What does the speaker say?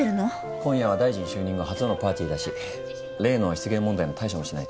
今夜は大臣就任後初のパーティーだし例の失言問題の対処もしないと。